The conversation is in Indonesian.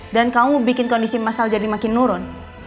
dan kamu bikin kondisi masal jadi makin nurun